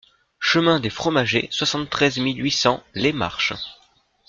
Chemin des Fromagets, soixante-treize mille huit cents Les Marches